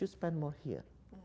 harusnya lebih banyak di spend